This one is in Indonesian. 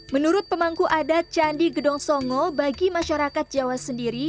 menurut pemangku adat candi gedong songo bagi masyarakat jawa sendiri